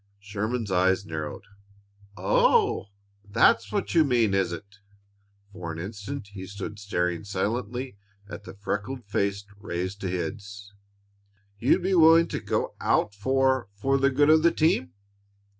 Sherman's eyes narrowed. "Oh, that's what you mean, is it?" For an instant he stood staring silently at the freckled face raised to his. "You'd be willing to get out for for the good of the team?"